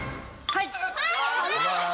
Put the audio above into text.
はい！